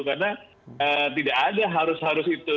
karena tidak ada harus harus itu